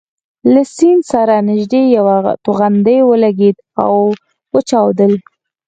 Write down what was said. له سیند سره نژدې یوه توغندۍ ولګېدل او وچاودل.